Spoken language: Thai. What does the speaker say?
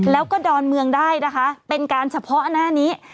แล้วก็ดอนเมืองได้นะคะเป็นการเฉพาะหน้านี้